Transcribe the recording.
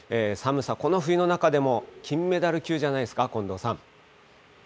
寒さ、この冬の中でも金メダル級じゃないですか、近藤さん。